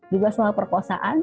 juga soal perkosaan